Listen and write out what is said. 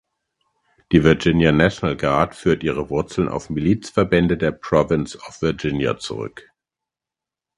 Die Virginia National Guard führt ihre Wurzeln auf Milizverbände der Province of Virginia zurück.